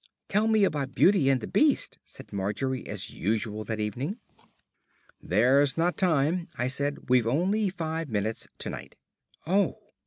"Tell me about Beauty and the Beast," said Margery as usual, that evening. "There's not time," I said. "We've only five minutes to night." "Oh!